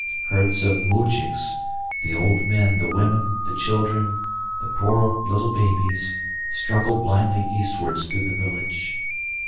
Herds of moujiks, the old men, the women, the children, the poor little babies, struggled blindly eastwards through the village.